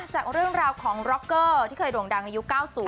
จากเรื่องราวของร็อกเกอร์ที่เคยโด่งดังในยุค๙๐